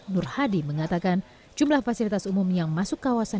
nur hadi mengatakan jumlah fasilitas umum yang masuk kawasan